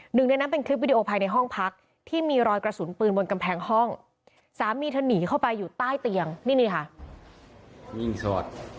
หนึ่งในนั้นเป็นคลิปวิดีโอภายในห้องพักที่มีรอยกระสุนปืนบนกำแพงห้องสามีเธอหนีเข้าไปอยู่ใต้เตียงนี่นี่ค่ะ